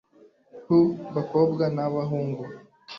ku bakobwa na bahungu